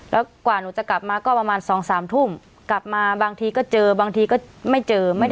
แล้วกว่าหนูจะกลับมาก็ประมาณ๒๓ทุ่มกลับมาบางทีก็เจอบางทีก็ไม่เจอ